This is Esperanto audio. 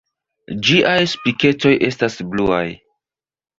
Ĝiaj spiketoj estas bluaj.